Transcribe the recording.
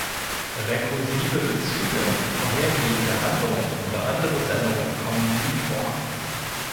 Rekursive Bezüge auf vorhergehende Handlungen oder andere Sendungen kommen nie vor.